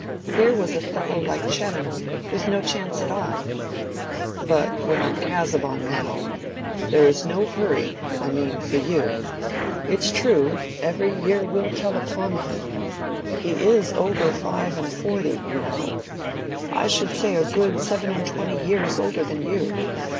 Here was a fellow like Chettam with no chance at all. "Well, but Casaubon, now. There is no hurry—I mean for you. It's true, every year will tell upon him. He is over five and forty, you know. I should say a good seven and twenty years older than you.